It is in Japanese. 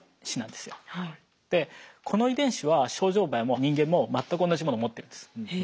でこの遺伝子はショウジョウバエも人間も全く同じものを持ってるんです。